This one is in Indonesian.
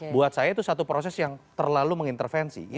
buat saya itu satu proses yang terlalu mengintervensi